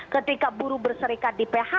ketika buruh berserikat di phk gitu ya